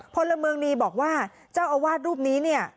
พลเมืองดีบอกว่าเจ้าอาวาสรูปนี้เนี่ย